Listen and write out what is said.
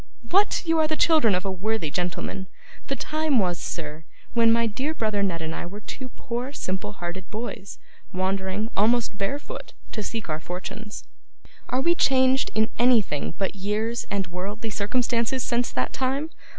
What! You are the children of a worthy gentleman! The time was, sir, when my dear brother Ned and I were two poor simple hearted boys, wandering, almost barefoot, to seek our fortunes: are we changed in anything but years and worldly circumstances since that time?